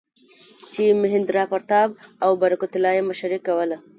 چې مهیندراپراتاپ او برکت الله یې مشري کوله.